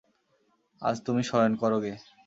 আজ তুমি শয়ন করো গে।